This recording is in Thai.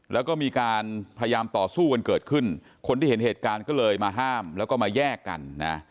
แล้วก็มีการพยายามต่อสู้กันเกิดขึ้นคนที่เห็นเหตุการณ์ก็เลยมาห้ามแล้วก็มาแยกกันนะ